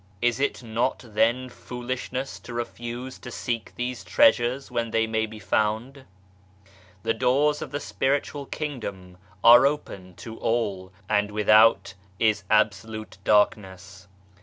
Is it not then foolishness to refuse to seek these treasures where they may be found ? The doors of the Spiritual Kingdom are open to all, and without is absolute dark ness.